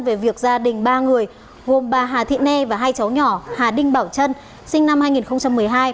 về việc gia đình ba người gồm bà hà thị ne và hai cháu nhỏ hà đinh bảo trân sinh năm hai nghìn một mươi hai